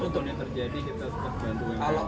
kalau umumnya terjadi kita pasti bantu umkm